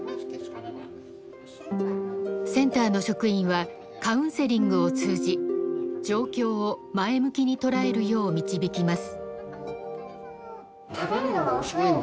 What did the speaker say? センターの職員はカウンセリングを通じ状況を前向きに捉えるよう導きます。